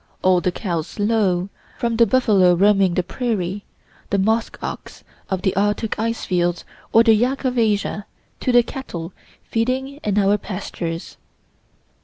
All the cows low, from the buffalo roaming the prairie, the musk ox of the Arctic ice fields, or the yak of Asia, to the cattle feeding in our pastures.